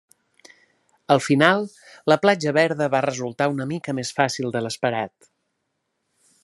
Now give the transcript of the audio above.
Al final, la platja Verda va resultar una mica més fàcil de l'esperat.